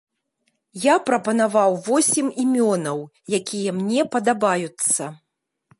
Я прапанаваў восем імёнаў, якія мне падабаюцца.